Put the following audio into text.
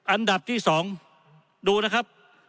อันดับที่๒ดูนะครับ